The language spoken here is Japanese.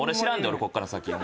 ここから先。